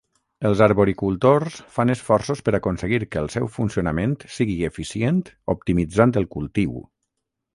Els arboricultors fan esforços per aconseguir que el seu funcionament sigui eficient optimitzant el cultiu.